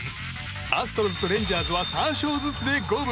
アストロズとレンジャーズは３勝ずつで五分。